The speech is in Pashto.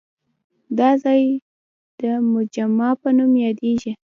دا ځای د مجمع په نوم یادېږي.